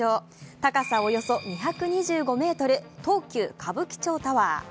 高さおよそ２２５ｍ東急歌舞伎町タワー。